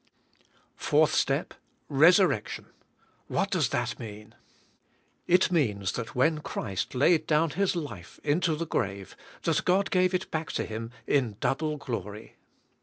Fourth step. Resurrection. What does that mean? It means that when Christ laid down His life into the grave, that God gave it back to Him in double glory.